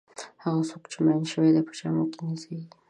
هغه څوک چې میین شوی په جامو کې نه ځایېږي.